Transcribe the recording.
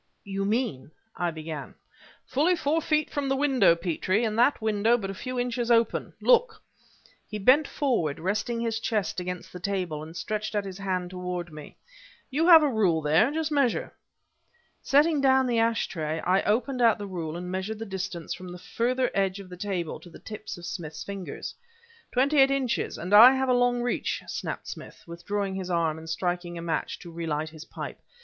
"You mean," I began... "Fully four feet from the window, Petrie, and that window but a few inches open! Look" he bent forward, resting his chest against the table, and stretched out his hand toward me. "You have a rule there; just measure." Setting down the ash tray, I opened out the rule and measured the distance from the further edge of the table to the tips of Smith's fingers. "Twenty eight inches and I have a long reach!" snapped Smith, withdrawing his arm and striking a match to relight his pipe.